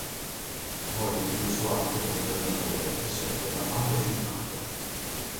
Volle che ogni suo atto come fondatore fosse fotografato e filmato.